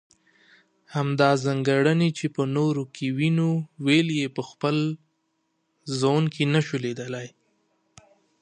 همدا ځانګړنې چې په نورو کې وينو ولې په خپل ځان کې نشو ليدلی.